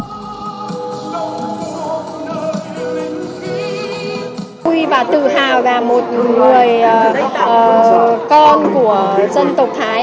chúng tôi rất tự hào và tự hào là một người con của dân tộc thái